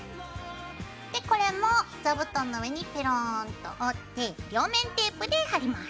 でこれも座布団の上にペローンと折って両面テープで貼ります。